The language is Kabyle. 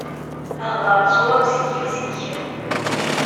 Hder ṣṣwab s yiles-ik.